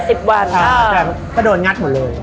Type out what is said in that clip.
ก็๘๐วันค่ะอ่าใช่ค่ะก็โดนงัดหมดเลย